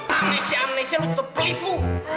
amnesia amnesia lo tuh pelit lo